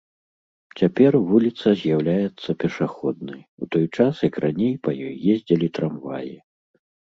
Цяпер вуліца з'яўляецца пешаходнай, у той час як раней па ёй ездзілі трамваі.